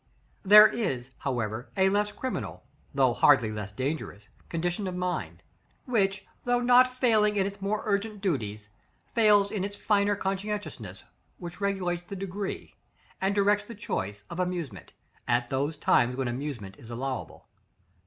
§ XXIX. There is, however, a less criminal, though hardly less dangerous condition of mind; which, though not failing in its more urgent duties, fails in the finer conscientiousness which regulates the degree, and directs the choice, of amusement, at those times when amusement is allowable.